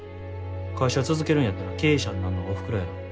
会社続けるんやったら経営者になんのはおふくろやろ。